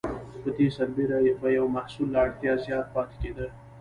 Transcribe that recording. په دې سره به یو محصول له اړتیا زیات پاتې کیده.